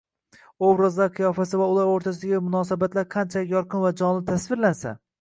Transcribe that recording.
Obrazlar qiyofasi va ular o’rtasidagi munosabatlar qanchalik yorqin va jonli tasvirlansa